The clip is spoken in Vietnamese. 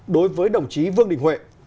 đối với đồng chí vương đình huệ